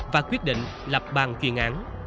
và quyết định lập bàn chuyên án